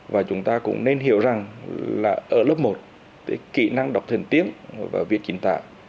và chúng ta cũng nên hiểu rằng là ở lớp một kỹ năng đọc thành tiếng và viết chính tả